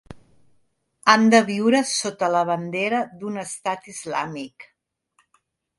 Han de viure sota la bandera d'un estat islàmic.